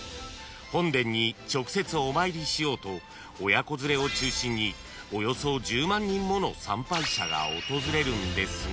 ［本殿に直接お参りしようと親子連れを中心におよそ１０万人もの参拝者が訪れるんですが］